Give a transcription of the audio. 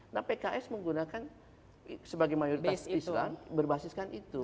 nah pks menggunakan sebagai mayoritas islam berbasiskan itu